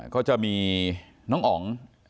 ก็จะมีน้องอ๋อง